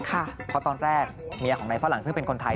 เพราะตอนแรกเมียของนายฝรั่งซึ่งเป็นคนไทย